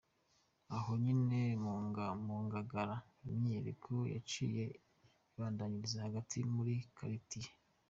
Aho nyene mu Ngagara, imyiyerekano yaciye ibandanyiriza hagati muri karitiye.